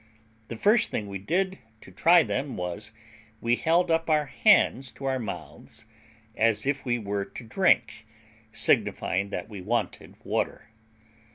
The first thing we did to try them, was, we held up our hands to our mouths, as if we were to drink, signifying that we wanted water.